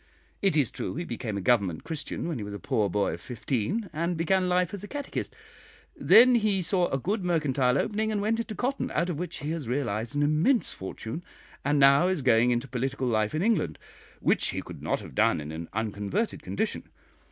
It is true he became a 'Government Christian' when he was a poor boy of fifteen, and began life as a catechist; then he saw a good mercantile opening, and went into cotton, out of which he has realised an immense fortune, and now is going into political life in England, which he could not have done in an unconverted condition.